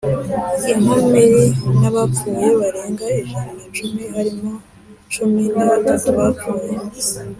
inkomeri n'abapfuye barenga ijana na cumi, harimo cumi n' batatu bapfuye